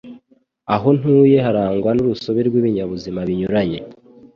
Aho ntuye harangwa n'urusobe rw'ibinyabuzima binyuranye.